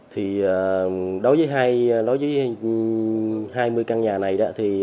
thì đối với hai mươi căn nhà này